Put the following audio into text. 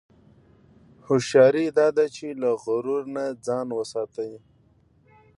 هوښیاري دا ده چې له غرور نه ځان وساتې.